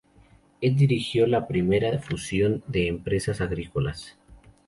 Él dirigió la primera fusión de empresas agrícolas.